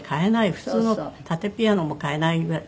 普通の縦ピアノも買えないぐらい。